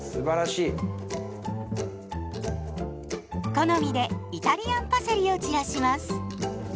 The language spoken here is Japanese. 好みでイタリアンパセリを散らします。